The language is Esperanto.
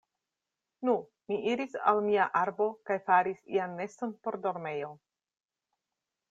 Nu, mi iris al mia arbo kaj faris ian neston por dormejo.